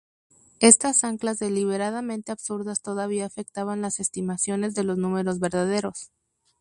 Estas anclas deliberadamente absurdas todavía afectaban las estimaciones de los números verdaderos.